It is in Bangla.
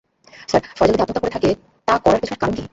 স্যার, ফয়জাল যদি আত্মহত্যা করে থাকে, তা করার পেছনের কারণ কী?